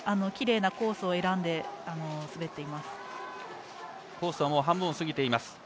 きれいなコースを選んで滑っています。